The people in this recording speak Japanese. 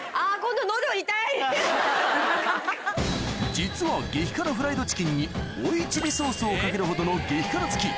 実は激辛フライドチキンに追いチリソースをかけるほどの激辛好き